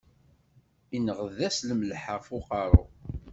Inɣed-as lemleḥ ɣef uqeṛṛu.